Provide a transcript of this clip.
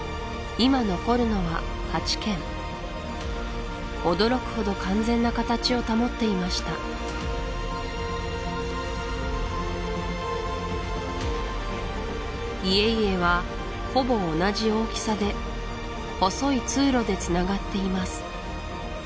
今残るのは８軒驚くほど完全な形を保っていました家々はほぼ同じ大きさで細い通路でつながっています